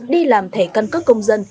đi làm thể căn cức công dân